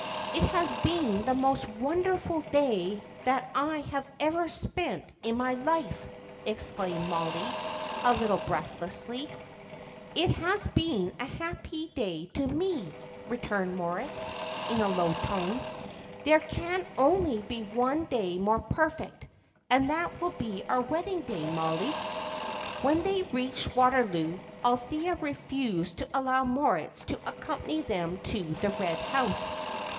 "It has been the most wonderful day that I have ever spent in my life!" exclaimed Molly, a little breathlessly. "It has been a happy day to me," returned Moritz, in a low tone. "There can only be one day more perfect, and that will be our wedding day, Mollie." When they reached Waterloo, Althea refused to allow Moritz to accompany them to the Red House.